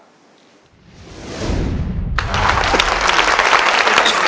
รักษี